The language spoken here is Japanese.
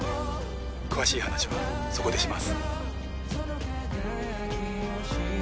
詳しい話はそこでします。